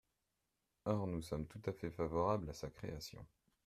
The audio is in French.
Or nous sommes tout à fait favorables à sa création.